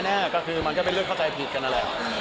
แน่ก็คือมันก็เป็นเรื่องเข้าใจผิดกันนั่นแหละ